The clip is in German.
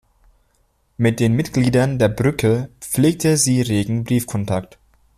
Mit den Mitgliedern der Brücke pflegte sie regen Briefkontakt.